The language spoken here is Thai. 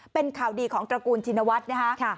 เป็นข่าวดีของตระกูลชินวัฒน์นะคะ